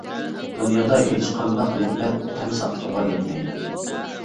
دۇنيادا ھېچقانداق نېمەت تەن ساقلىقىغا يەتمەيدۇ.